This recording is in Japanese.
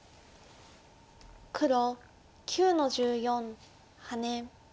黒９の十四ハネ。